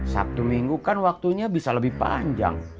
sabtu minggu kan waktunya bisa lebih panjang